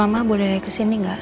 ma boleh ke sini nggak